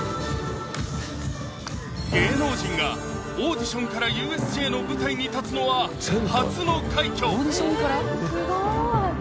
芸能人がオーディションからＵＳＪの舞台に立つのは初の快挙！